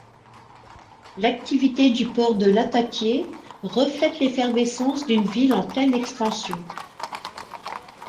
L'activité du port de Lattaquié reflète l'effervescence d'une ville en pleine expansion.